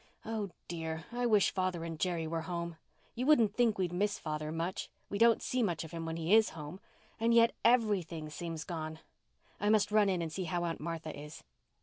Oh, dear. I wish father and Jerry were home. You wouldn't think we'd miss father much—we don't see much of him when he is home. And yet everything seems gone. I must run in and see how Aunt Martha is."